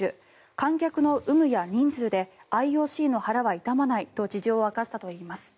観客の有無や人数でＩＯＣの腹は痛まないと事情を明かしたといいます。